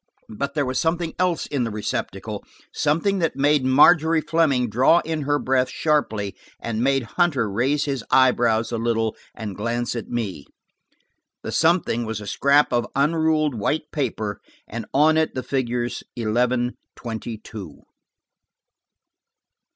But there was something else in the receptacle, something that made Margery Fleming draw in her breath sharply, and made Hunter raise his eyebrows a little and glance at me. The something was a scrap of unruled white paper, and on it the figures eleven twenty two!